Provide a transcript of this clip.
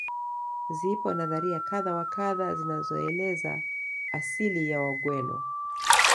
Zipo nadharia kadha wa kadha zinazoeleza asili ya wagweno